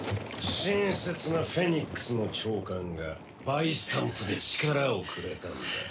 親切なフェニックスの長官がバイスタンプで力をくれたんだ。